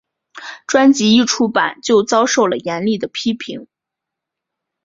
专辑一出版就遭受了严厉的批评。